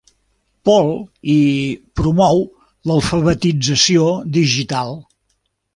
Paul i promou l'alfabetització digital.